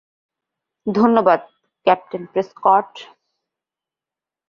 ধন্যবাদ, captain Prescott.